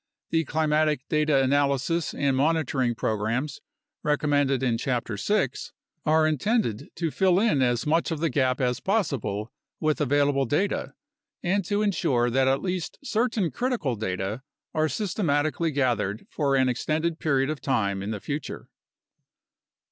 The climatic data analysis and monitoring programs recommended in Chapter 6 are intended to fill in as much of the gap as possible with available data and to ensure that at least certain critical data are systematically gathered for an extended period of time in the future.